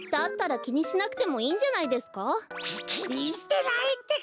ききにしてないってか。